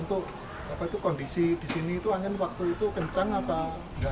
untuk kondisi di sini angin waktu itu kencang atau